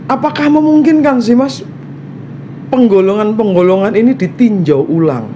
apakah memungkinkan sih mas penggolongan penggolongan ini ditinjau ulang